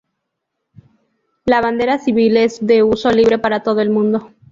La bandera civil es de uso libre para todo el mundo.